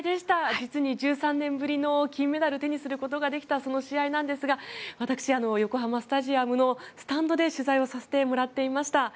実に１３年ぶりの金メダルを手にすることができたその試合なんですが私、横浜スタジアムのスタンドで取材をさせてもらっていました。